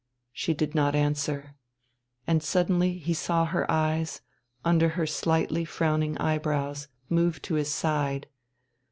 She did not answer. And suddenly he saw her eyes, under her slightly frowning eye brows, move to his side.